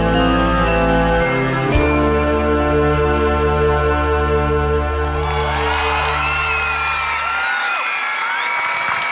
ขอบคุณสี่สาม